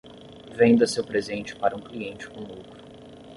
Venda seu presente para um cliente com lucro.